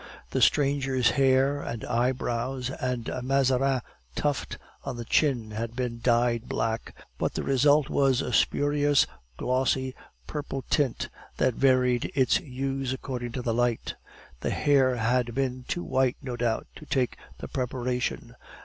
The stranger's hair and eyebrows and a Mazarin tuft on the chin had been dyed black, but the result was a spurious, glossy, purple tint that varied its hues according to the light; the hair had been too white, no doubt, to take the preparation.